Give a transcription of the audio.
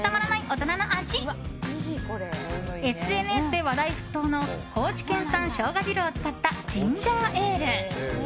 ＳＮＳで話題沸騰の高知県産生姜汁を使ったジンジャーエール。